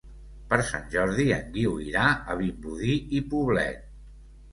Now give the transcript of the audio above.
Per Sant Jordi en Guiu irà a Vimbodí i Poblet.